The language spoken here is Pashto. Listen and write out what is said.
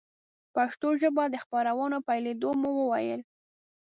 په پښتو ژبه د خپرونو پیلېدو مو وویل.